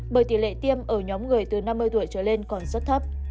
bởi tỷ lệ tiêm ở nhóm người từ năm mươi tuổi trở lên còn rất thấp